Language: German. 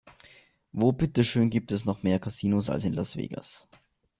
Wo bitte schön gibt es noch mehr Casinos als in Las Vegas?